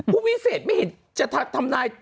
วิเศษไม่เห็นจะทำนาย